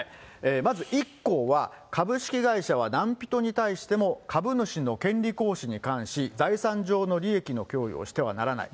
まず、１項は株式会社は何人に対しても、株主の権利行使に関し、財産上の利益の供与をしてはならない。